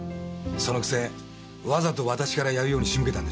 そのくせわざと私からやるように仕向けたんでしょ？